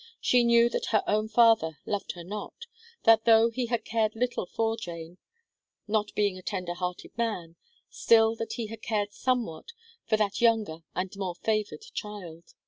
She knew that her own father loved her not that though he had cared little for Jane, not being a tender hearted man, still that he had cared somewhat, for that younger, and more favoured child.